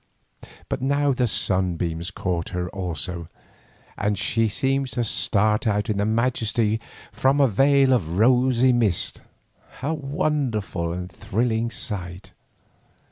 But now the sunbeams caught her also, and she seemed to start out in majesty from a veil of rosy mist, a wonderful and thrilling sight.